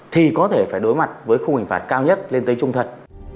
thì có thể phải đối mặt với khung hình phạt cao nhất lên tới trung thật